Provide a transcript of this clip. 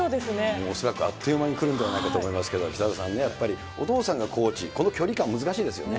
もう恐らくあっという間にくるんではないかと思いますが、北澤さんね、お父さんがコーチ、その距離感難しいですよね。